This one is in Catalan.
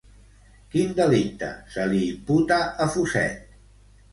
Quin delicte se li imputa a Fuset?